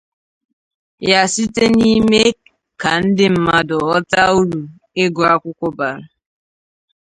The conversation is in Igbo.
ya site n'ime ka ndị mmadụ ghọta uru ịgụ akwụkwọ bara.